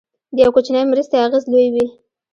د یو کوچنۍ مرستې اغېز لوی وي.